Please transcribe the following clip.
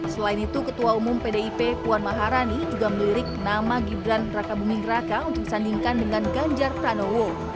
selain itu ketua umum pdip puan maharani juga melirik nama gibran raka buming raka untuk disandingkan dengan ganjar pranowo